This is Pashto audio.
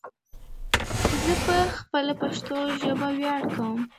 ځه په خپله پشتو ژبه ویاړ کوم